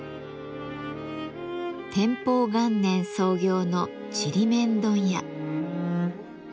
天保元年創業のちりめん問屋。